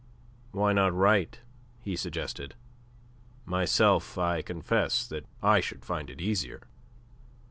"Why not write?" he suggested. "Myself, I confess that I should find it easier."